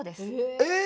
えっ！